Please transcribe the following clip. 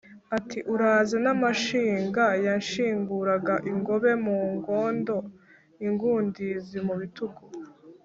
ati: uraze n’amashinga yanshinguraga ingobe mu ngondo ingundizi mu bitugu.